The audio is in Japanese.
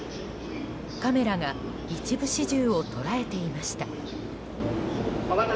カメラが一部始終を捉えていました。